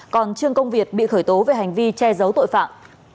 còn trương công việt bị khởi tố về hành vi che giấu tội phạm